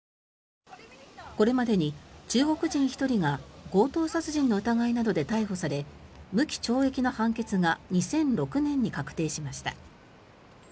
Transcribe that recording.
これまでに中国人１人が強盗殺人の疑いなどで逮捕され無期懲役の判決が２００６年に確定しました。